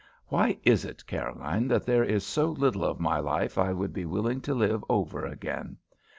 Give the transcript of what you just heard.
"Why is it, Caroline, that there is so little of my life I would be willing to live over again?